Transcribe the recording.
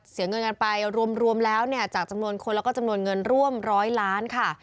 เสียเงินกันไปรวมแล้วเนี่ยจากจำนวนคนแล้วก็จำนวนเงินร่วมร้อยล้านค่ะ